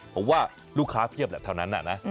เพราะว่าลูกค้าเพียบแถวนั้นน่ะนะ